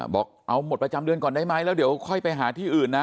บอกเอาหมดประจำเดือนก่อนได้ไหมแล้วเดี๋ยวค่อยไปหาที่อื่นนะ